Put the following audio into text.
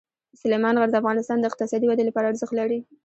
سلیمان غر د افغانستان د اقتصادي ودې لپاره ارزښت لري.